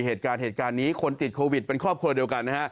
เหตุการณ์เหตุการณ์นี้คนติดโควิดเป็นครอบครัวเดียวกันนะฮะ